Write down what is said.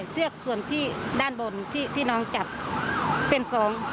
เชือกส่วนที่ด้านบนที่น้องจับเป็นทรง